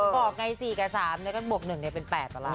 ใช่ไงก็จะบอกไง๔กัน๓แล้วก็บวก๑เนี่ยเป็น๘ปะล่ะ